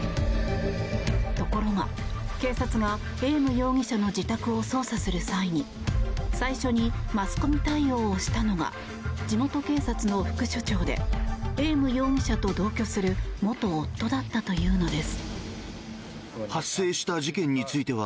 ところが、警察がエーム容疑者の自宅を捜査する際に最初にマスコミ対応をしたのが地元警察の副署長でエーム容疑者と同居する元夫だったというのです。